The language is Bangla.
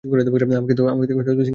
আমাকে তো সিঙ্গাপুরে যেতে হবে।